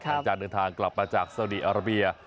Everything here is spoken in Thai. หลังจากหนึ่งทางกลับมาจากเซาดีอาราเบีย